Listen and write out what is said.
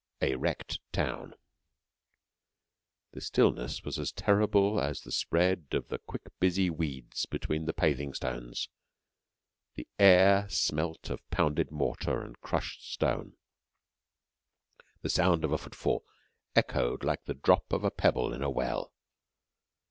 ... A WRECKED TOWN The stillness was as terrible as the spread of the quick busy weeds between the paving stones; the air smelt of pounded mortar and crushed stone; the sound of a footfall echoed like the drop of a pebble in a well.